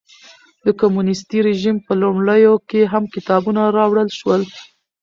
د کمونېستي رژیم په لومړیو کې هم کتابونه راوړل شول.